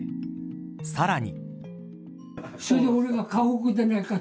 さらに。